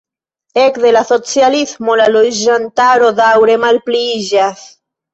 Ekde la socialismo la loĝantaro daŭre malpliiĝas.